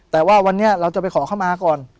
แต่ว่าวันนี้เราจะไปขอเข้ามาก่อน